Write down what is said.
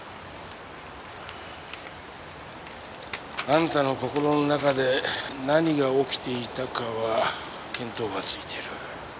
あんたの心の中で何が起きていたかは見当がついてる。